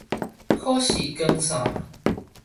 可視光線